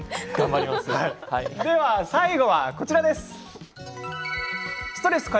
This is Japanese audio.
最後は、こちらです。